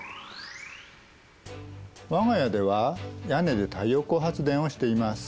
我が家では屋根で太陽光発電をしています。